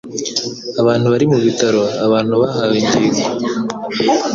abantu bari mu bitaro, abantu bahawe ingingo